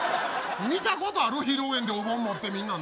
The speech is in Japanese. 見たことある披露宴でお盆持って。